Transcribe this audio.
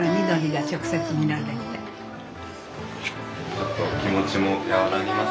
ちょっと気持ちも和らぎますよね。